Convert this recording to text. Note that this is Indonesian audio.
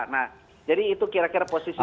nah jadi itu kira kira posisi dari kami